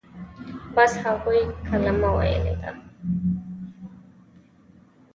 بس هغوى کلمه ويلې ده.